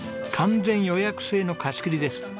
完全予約制の貸し切りです。